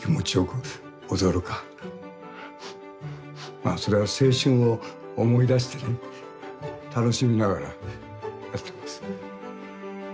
まあそれは青春を思い出してね楽しみながらやってます。